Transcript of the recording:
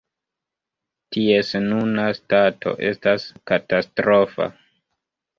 Ties nuna stato estas katastrofa.